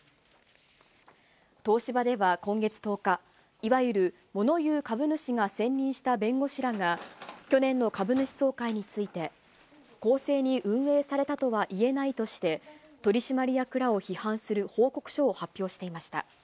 東芝では今月１０日、いわゆるもの言う株主が選任した弁護士らが、去年の株主総会について、公正に運営されたとはいえないとして、取締役らを批判する報告書を発表していました。